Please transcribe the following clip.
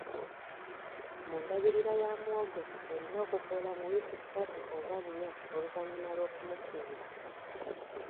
Mu ndabirira ya muwogo olina okukoola mu wiiki ssatu oba nnya oluvannyuma lw'okumusimba.